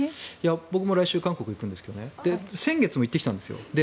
僕も来週韓国行くんですが先月も行ってきたんです。